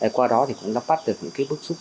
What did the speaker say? qua đó thì cũng nắm bắt được những bước xúc